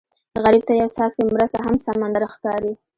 غریب ته یو څاڅکی مرسته هم سمندر ښکاري